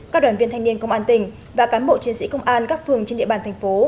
các đoàn viên thanh niên công an tỉnh và cán bộ chiến sĩ công an các phường trên địa bàn thành phố